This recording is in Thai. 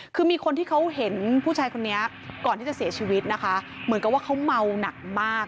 คือมีคนที่เขาเห็นผู้ชายคนนี้ก่อนที่จะเสียชีวิตนะคะเหมือนกับว่าเขาเมาหนักมาก